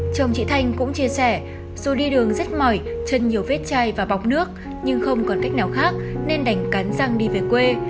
chồng chị thanh cũng chia sẻ dù đi đường rất mỏi chân nhiều vết chai và bọc nước nhưng không còn cách nào khác nên đành cắn răng đi về quê